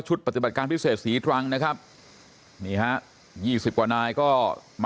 ชุดปฏิบัติการพิเศษภีร์ทรังนะครับนี่ฮะ๒๐บาทนายก็มา